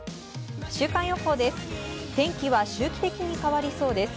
週間予報です。